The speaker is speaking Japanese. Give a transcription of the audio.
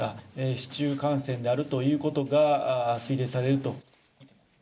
市中感染であるということが推定されると。